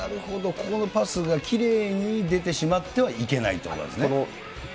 ここのパスがきれいに出てしまってはいけないというわけですね。